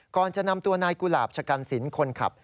ก่อนจะนำตัวนายกุหลาบชะกันสินคนขับ